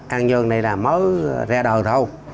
an nhơn này là mới ra đời rồi